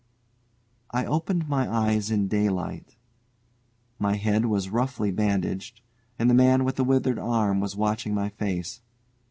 I opened my eyes in daylight. My head was roughly bandaged, and the man with the withered arm was watching my face.